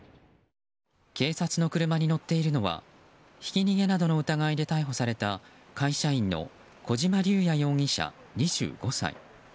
警察の車に乗っているのはひき逃げなどの疑いで逮捕された会社員の小島隆也容疑者、２５歳。